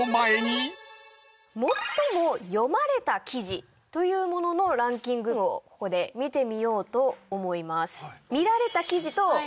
最も読まれた記事というもののランキングをここで見てみようと思います。